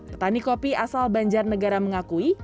petani kopi asal banjar negara mengakui